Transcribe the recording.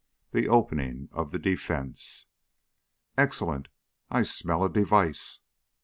THE OPENING OF THE DEFENCE. Excellent! I smell a device.